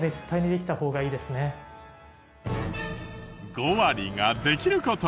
５割ができる事。